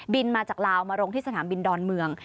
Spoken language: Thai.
มาจากลาวมาลงที่สนามบินดอนเมือง